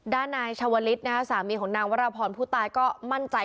ด้านนายชาวฤทธิ์นะครับสามีของนางหรอพรผู้ตายก็มั่นใจเหมือนกันค่ะว่า